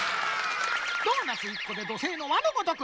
ドーナツ１こで土星の輪のごとく！